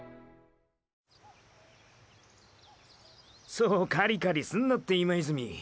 そうカリカリすんなって今泉。